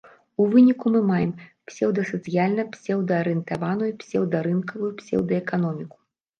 У выніку мы маем псеўдасацыяльна псеўдаарыентаваную псеўдарынкавую псеўдаэканоміку.